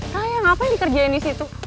kayaknya ngapain dikerjain disitu